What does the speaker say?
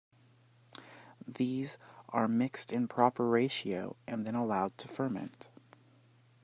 These are mixed in proper ratio and then allowed to ferment.